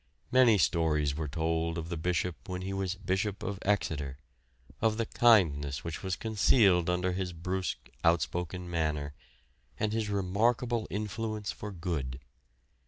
Many stories were told of the Bishop when he was the Bishop of Exeter; of the kindness which was concealed under his brusque, outspoken manner, and his remarkable influence for good.